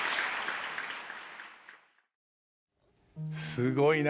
すごいな。